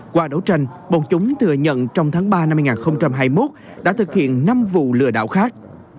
qua đấu tranh bọn chúng thừa nhận trong tháng ba năm hai nghìn hai mươi một đã thực hiện năm vụ lừa đảo khác